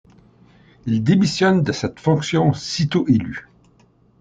Il démissionne de cette fonction sitôt élu.